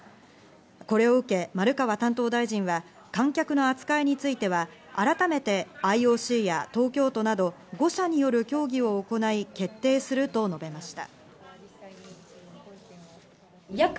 これを受け、丸川担当大臣は観客の扱いについては、改めてＩＯＣや東京都など５者による協議を行い決定すると述べました。